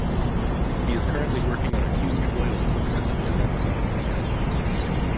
He is currently working on a huge oil portrait for rap star Eminem.